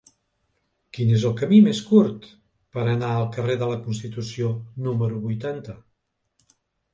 Quin és el camí més curt per anar al carrer de la Constitució número vuitanta?